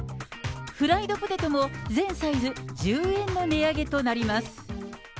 フライドポテトも全サイズ１０円の値上げとなります。